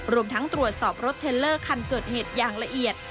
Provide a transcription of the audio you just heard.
รวมทั้งตรวจสอบรถเทลเลอร์คันเกิดเหตุอย่างละเอียด